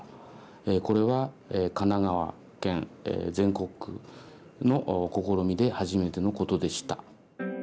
これは神奈川県全国区の試みで初めてのことでした。